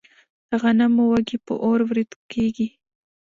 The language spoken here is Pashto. د غنمو وږي په اور وریت کیږي.